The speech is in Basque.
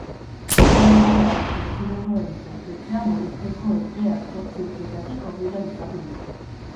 Era berean, erkidegoen zorpetzea murrizteko epea zortzi urteetatik hogeira luzatu du.